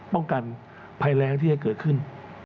ป้องกันภัยแรงที่จะเกิดขึ้น